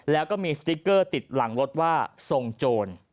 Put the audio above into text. แล้วก็มีสติ๊กเกอร์ติดหลังรถว่าทรงโจร